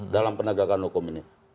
dalam penegakan hukum ini